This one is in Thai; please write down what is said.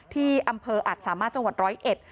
ที่อำเภออัดสาม่าจังหวัด๑๐๑